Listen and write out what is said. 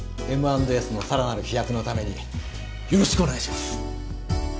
Ｍ＆Ｓのさらなる飛躍のためによろしくお願いします。